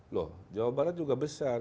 loh jawa barat juga besar